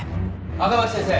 赤巻先生？